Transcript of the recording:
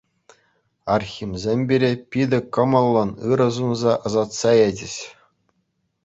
Архимсем пире питӗ кӑмӑллӑн ырӑ сунса ӑсатса ячӗҫ.